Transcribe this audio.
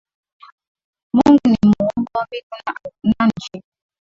Mungu ni muumba wa mbingu na nchi.